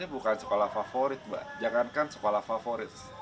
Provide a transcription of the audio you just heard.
bukan sekolah favorit mbak jangankan sekolah favorit